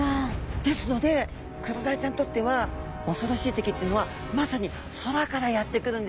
ですのでクロダイちゃんにとってはおそろしい敵っていうのはまさに空からやって来るんですね。